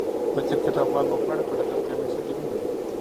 د کرکټ افغان لوبغاړي په ډګر کې همیشه جدي دي.